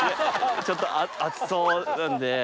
ちょっと熱そうなんで。